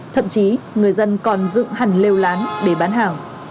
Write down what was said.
thậm chí người dân còn dựng hẳn lêu lán để báo hiệu